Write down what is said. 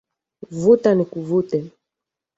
Vuta nikuvute